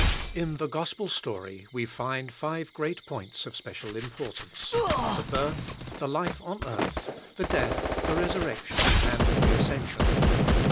In the Gospel story we find five great points of special importance; the birth, the life on earth, the death, the resurrection, and the ascension.